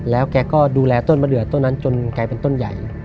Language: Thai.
แล้วแกก็ดูแลต้นมะเดือต้นนั้นจนกลายเป็นต้นใหญ่